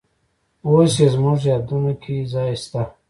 اوس یې زموږ یادونو کې ځای شته.